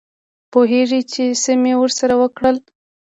پوهېږې چې څه مې ورسره وکړل.